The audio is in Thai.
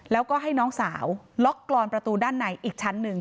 แล้วก็ให้น้องสาวล็อกกรอนประตูด้านในอีกชั้นหนึ่ง